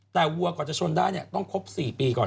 แต่วัวก่อนจะชนได้ต้องครบ๔ปีก่อน